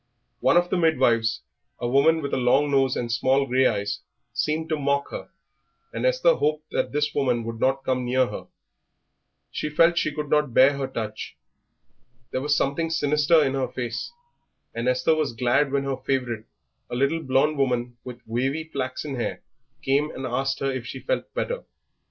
One of the midwives, a woman with a long nose and small grey eyes, seemed to mock her, and Esther hoped that this woman would not come near her. She felt that she could not bear her touch. There was something sinister in her face, and Esther was glad when her favourite, a little blond woman with wavy flaxen hair, came and asked her if she felt better.